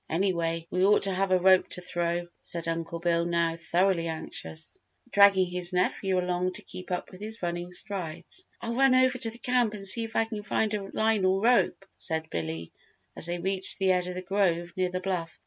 Anyway we ought to have a rope to throw," said Uncle Bill now thoroughly anxious, dragging his nephew along to keep up with his running strides. "I'll run over to the camp and see if I can find a line or rope," said Billy, as they reached the edge of the grove near the bluff.